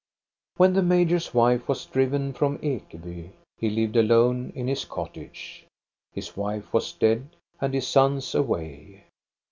When the major's wife was driven from Ekeby, he lived alone in his cottage. His wife was dead and his sons away.